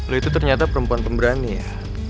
lo itu ternyata perempuan pemberani ya